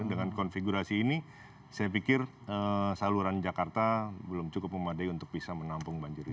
dengan konfigurasi ini saya pikir saluran jakarta belum cukup memadai untuk bisa menampung banjir ini